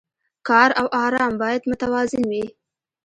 کار او ارام باید متوازن وي.